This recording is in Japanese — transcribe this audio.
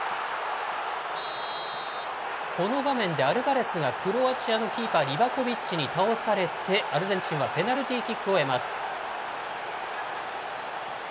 この場面でアルバレスがクロアチアのキーパーリバコビッチに倒されてアルゼンチンはＰＫを得ます。